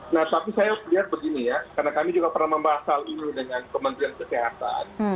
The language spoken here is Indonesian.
nah tapi saya lihat begini ya karena kami juga pernah membahas hal ini dengan kementerian kesehatan